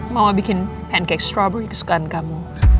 mama bikin pancake strawberry kesukaan kamu